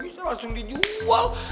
bisa langsung dijual